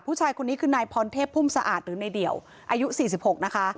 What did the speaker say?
ผู้ชายคนนี้คือนายพรเทพภูมิสะอาดหรือในเดี่ยวอายุสี่สิบหกนะคะ